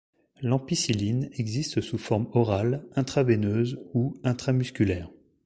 L'ampicilline existe sous forme orale, intraveineuse ou intramusculaire.